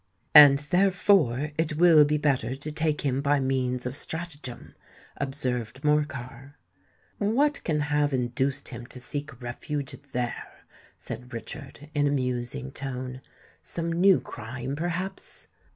"And therefore it will be better to take him by means of stratagem," observed Morcar. "What can have induced him to seek refuge there?" said Richard, in a musing tone. "Some new crime, perhaps?"